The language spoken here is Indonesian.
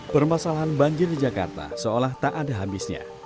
permasalahan banjir di jakarta seolah tak ada habisnya